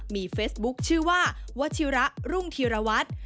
มีเฟซบุ๊คชื่อว่าวัชิระรุ่งธีรวัตร